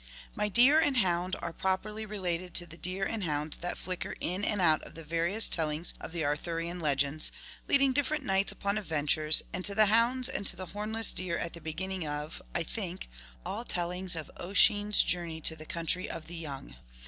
My deer and hound are properly related to the deer and hound that flicker in and out of the various tellings of the Arthurian legends, leading different knights upon adventures, and to the hounds and to the hornless deer at the beginning of, I think, all tellings of Oisin's journey to the country of the young.